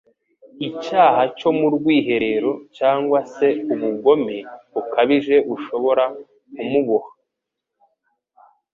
Icyaha cyo mu rwiherero cyangwa se ubugome bukabije bushobora kumuboha